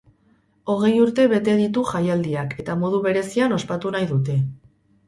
Hogei urte bete ditu jaialdiak, eta modu berezian ospatu nahi dute.